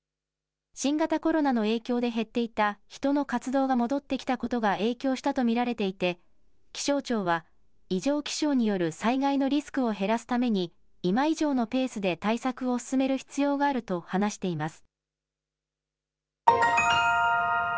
新型コロナの影響で減っていた人の活動が戻ってきたことが影響したと見られていて気象庁は異常気象による災害のリスクを減らすために今以上のペースで対策を進める必要があると話しています。